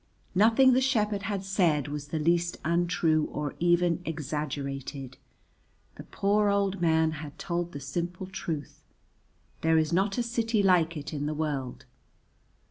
Nothing the shepherd had said was the least untrue or even exaggerated. The poor old man had told the simple truth, there is not a city like it in the world.